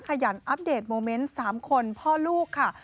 ขยันอัปเดตโมเมนต์๓คนพ่อลูกค่ะ